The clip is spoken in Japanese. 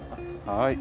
はい。